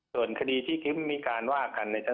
ส่วนคดีที่มีการว่าคันแล้ว